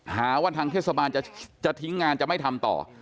หาว่าทางเทศบาลจะทิ้งงานจะไม่ทำต่อ